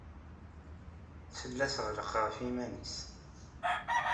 Tella tɣelleq ɣef yiman-nnes.